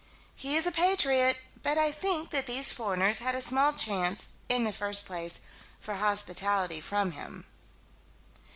He is a patriot, but I think that these foreigners had a small chance "in the first place" for hospitality from him.